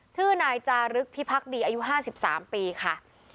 ชื่อนายจารึกพิพักดีอายุ๕๓ปีค่ะ